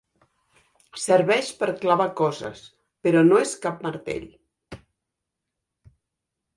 Serveix per clavar coses, però no és cap martell.